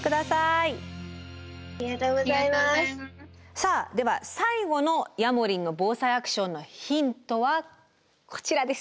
さあでは最後のヤモリンの「ＢＯＳＡＩアクション」のヒントはこちらです。